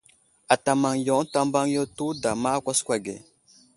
Ata maŋ yo ənta mbaŋ yo tewuda ma á kwaskwa ge.